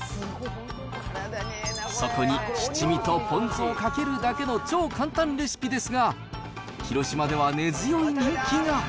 そこに七味とポン酢をかけるだけの超簡単レシピですが、広島では根強い人気が。